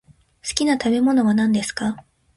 好きな食べ物は何ですか？